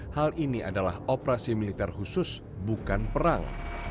hal ini adalah operasi militer khusus bukan perang